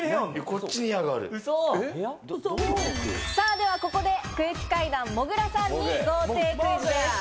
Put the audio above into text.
では、ここで空気階段・もぐらさんに豪邸クイズです。